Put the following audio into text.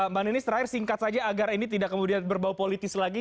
mbak ninis terakhir singkat saja agar ini tidak kemudian berbau politis lagi